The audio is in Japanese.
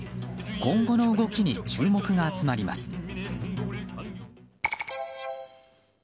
今後の動きに注目が集まります。